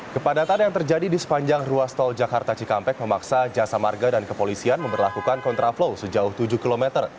kepadatan yang terjadi di sepanjang ruas tol jakarta cikampek memaksa jasa marga dan kepolisian memperlakukan kontraflow sejauh tujuh km